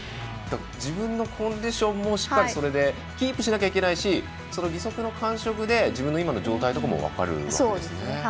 自分のコンディションもキープしないといけないしその義足の感触で自分の今の状態も分かるわけですね。